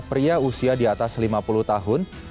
pria usia di atas lima puluh tahun